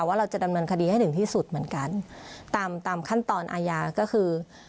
ว่าเราจะดำเนินคดีให้ถึงที่สุดเหมือนกันตามตามขั้นตอนอาญาก็คือ